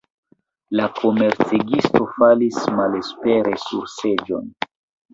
La komercegisto falis malespere sur seĝon.